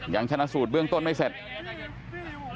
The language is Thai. ชนะสูตรเบื้องต้นไม่เสร็จ